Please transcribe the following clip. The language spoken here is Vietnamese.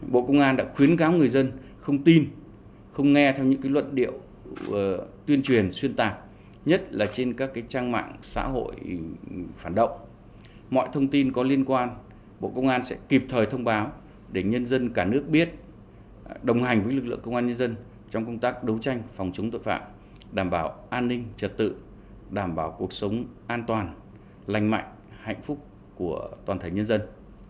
bộ công an hy sinh có nhiều hình thức động viên chia sẻ để thân nhân gia đình các cán bộ và toàn lực lượng công an nhân dân sớm vượt qua mất mát lớn lao này